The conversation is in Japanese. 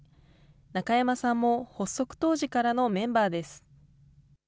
中山さんも発足当時からのメンバーです。